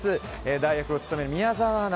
代役を務める宮澤アナ